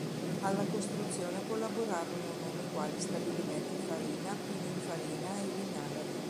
Alla costruzione collaborarono nomi quali Stabilimenti Farina, Pininfarina e Vignale.